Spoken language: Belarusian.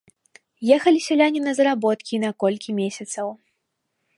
Ехалі сяляне на заработкі на колькі месяцаў.